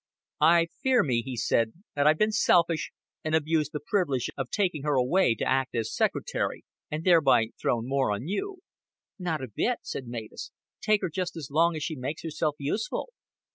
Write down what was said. "I fear me," he said, "that I've been selfish, and abused the privilege of taking her away to act as secretary, and thereby thrown more on you." "Not a bit," said Mavis. "Take her just as long as she makes herself useful."